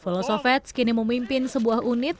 volosovets kini memimpin sebuah unit